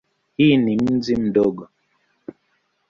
Hii ni mji mdogo.